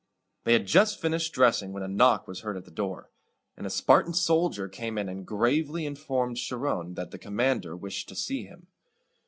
They had just finished dressing, when a knock was heard at the door, and a Spartan soldier came in and gravely informed Charon that the commander wished to see him.